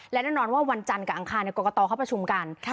และแน่นอนว่าวันจันทร์กับอังคารกรกตเขาประชุมกัน